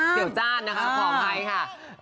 เซียวจานนะคะขอบใครค่ะ